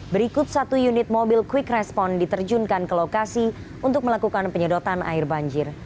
berikut satu unit mobil quick response diterjunkan ke lokasi untuk melakukan penyedotan air banjir